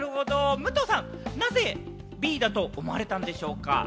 武藤さん、なぜＢだと思われたんでしょうか？